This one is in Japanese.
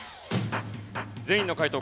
全員の解答